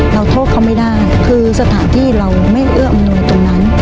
โทษเขาไม่ได้คือสถานที่เราไม่เอื้ออำนวยตรงนั้น